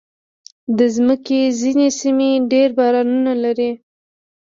د مځکې ځینې سیمې ډېر بارانونه لري.